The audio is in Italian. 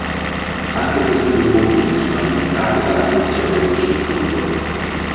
Anche queste due bobine sono alimentate dalla tensione del circuito.